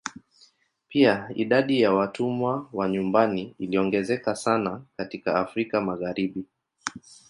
Pia idadi ya watumwa wa nyumbani iliongezeka sana katika Afrika Magharibi.